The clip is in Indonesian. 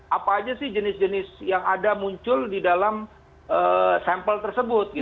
apa aja sih jenis jenis yang ada muncul di dalam sampel tersebut